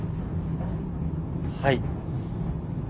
はい。